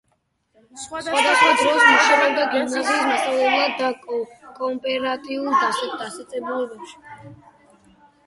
სხვადასხვა დროს მუშაობდა გიმნაზიის მასწავლებლად და კოოპერატიულ დაწესებულებებში.